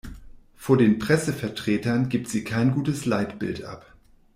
Vor den Pressevertretern gibt sie kein gutes Leitbild ab.